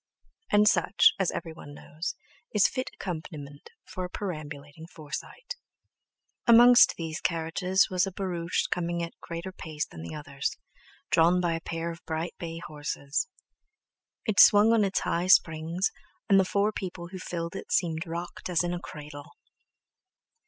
And such, as everyone knows, is fit accompaniment for a perambulating Forsyte. Amongst these carriages was a barouche coming at a greater pace than the others, drawn by a pair of bright bay horses. It swung on its high springs, and the four people who filled it seemed rocked as in a cradle.